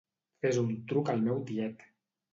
Fes un truc al meu tiet.